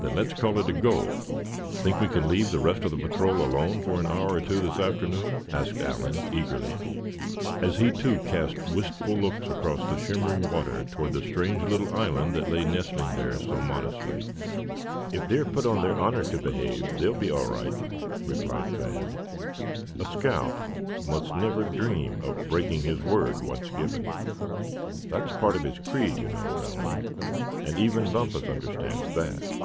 "Then let's call it a go. Think we can leave the rest of the patrol alone for an hour or two this afternoon?" asked Allan, eagerly, as he too cast wistful looks across the shimmering water toward the strange little island that lay nestling there so modestly. "If they're put on their honor to behave, they'll be all right," replied Thad. "A scout must never dream of breaking his word, once given. That is a part of his creed, you know, Allan; and even Bumpus understands that."